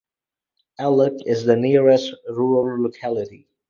Alak is the nearest rural locality.